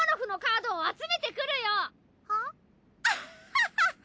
アハハハ！